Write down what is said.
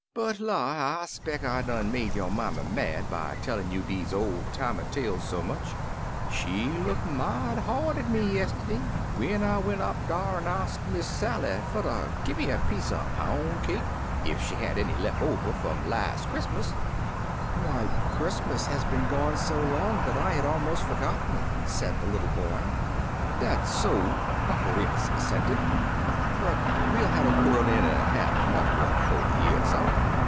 But la! I 'speck I done make yo' mammy mad by tellin' you deze ol' timey tales so much. She look mighty hard at me yistiddy when I went up dar an' ax Miss Sally fer ter gi' me a piece er poun' cake ef she had any lef ' over fom las' Christmas." 5 Uncle Remus Returns "Why, Christmas has been gone so long that I had almost forgotten it/' said the little boy, "Dat's so/' Uncle Remus assented, "but we '11 hatter whiri in an' have an'er one 'fo' dc year's out.